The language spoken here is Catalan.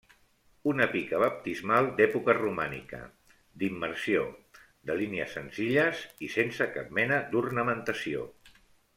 Una pica baptismal d'època romànica d'immersió, de línies senzilles i sense cap mena d'ornamentació.